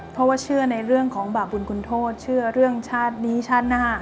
เพราะว่าเชื่อในเรื่องของบาปบุญคุณโทษเชื่อเรื่องชาตินี้ชาติหน้า